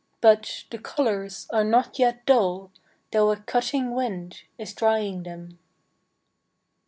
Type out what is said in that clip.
. but the colours are not yet dull, though a cutting wind is drying them.